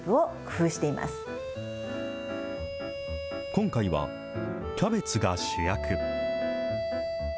今回は、キャベツが主役。